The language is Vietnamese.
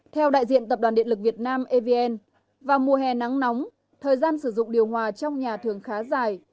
theo đại diện tập đoàn điện lực việt nam evn vào mùa hè nắng nóng thời gian sử dụng điều hòa trong nhà thường khá dài